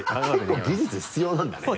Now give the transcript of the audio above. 結構技術必要なんだね。